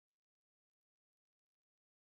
中华民国外交陷入困境。